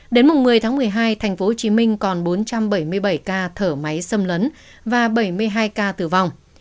đến mùng một mươi tháng một mươi hai tp hcm còn bốn trăm bảy mươi bảy ca thở máy xâm lấn và bảy mươi hai ca tử vong